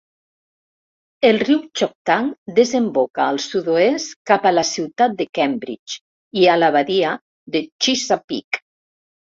El riu Choptank desemboca al sud-oest cap a la ciutat de Cambridge i a la badia de Chesapeake.